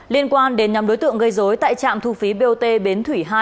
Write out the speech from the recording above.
liên quan đến nhóm đối tượng gây dối tại trạm thu phí bot bến thủy hai